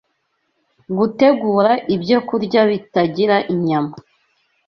gutegura ibyokurya bitagira inyama